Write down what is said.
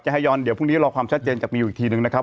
ฮายอนเดี๋ยวพรุ่งนี้รอความชัดเจนจากมิวอีกทีนึงนะครับ